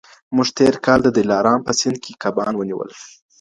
موږ تېر کال د دلارام په سیند کي کبان ونیول